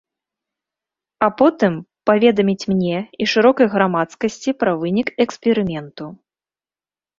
А потым паведаміць мне і шырокай грамадскасці пра вынік эксперыменту.